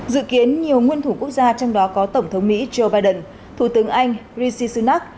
dự kiến nhiều nguyên thủ quốc gia trong đó có tổng thống mỹ joe biden thủ tướng anh rishi sunak